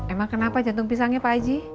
emang kenapa jantung pisangnya pak aji